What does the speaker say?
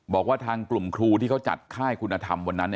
บอกว่าทางกลุ่มครูที่เขาจัดค่ายคุณธรรมวันนั้น